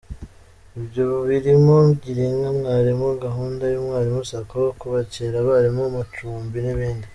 Ibyo birimo Girinka mwarimu, gahunda y’umwarimo Sacco, kubakira abarimu amacumbi n’ibindi.